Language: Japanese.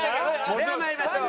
ではまいりましょう。